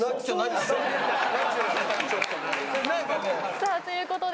さぁということで。